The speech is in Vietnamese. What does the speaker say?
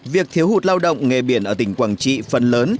việc thiếu hụt lao động nghề biển ở tỉnh quảng trị phần lớn